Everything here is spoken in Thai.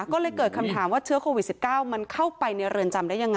ก็เลยเกิดคำถามว่าเชื้อโควิด๑๙มันเข้าไปในเรือนจำได้ยังไง